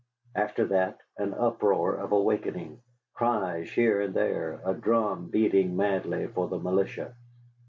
After that an uproar of awakening, cries here and there, a drum beating madly for the militia.